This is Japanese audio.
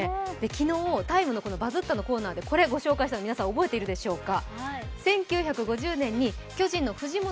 昨日、「ＴＩＭＥ，」の「バズった」のコーナーでこれご紹介したの、皆さん覚えているでしょうか？